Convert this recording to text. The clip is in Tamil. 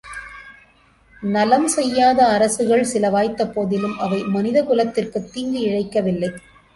நலம் செய்யாத அரசுகள் சில வாய்த்தபோதிலும் அவை மனிதகுலத்திற்குத் தீங்கு இழைக்கவில்லை.